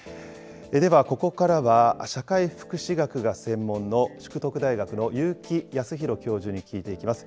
では、ここからは社会福祉学が専門の淑徳大学の結城康博教授に聞いていきます。